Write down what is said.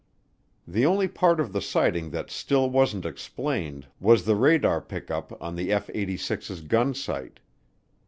The only part of the sighting that still wasn't explained was the radar pickup on the F 86's gun sight.